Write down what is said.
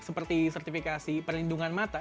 seperti sertifikasi perlindungan mata